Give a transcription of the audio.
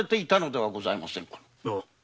はい。